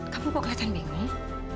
kamu kok kelihatan bingung